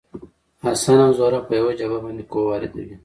حسن او زهره په یوه جعبه باندې قوه واردوي.